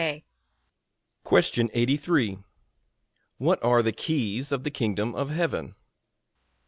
A.